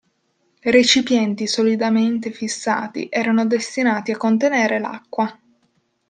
Recipienti solidamente fissati erano destinati a contenere l'acqua.